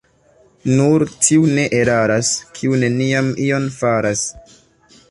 Nur tiu ne eraras, kiu neniam ion faras.